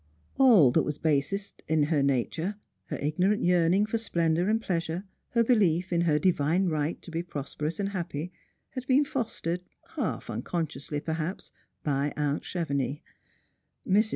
All that wa s basest in her nature, her ignorant yearning for splendour and pleasure, her belief in her divine right to be prosperous and happy, had been fostered, half unconsciously perhaps, by aunt Chevenix. Mrs.